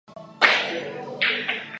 只有一条公路通往雅库茨克。